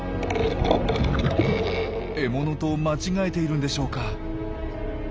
獲物と間違えているんでしょうか？